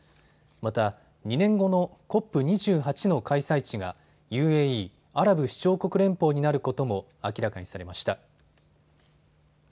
また２年後のＣＯＰ２８の開催地がＵＡＥ・アラブ首長国連邦になることも明らかにされました。